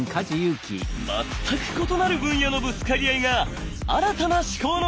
全く異なる分野のぶつかり合いが新たな思考の頂へ。